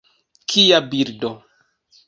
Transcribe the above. Kia bildo!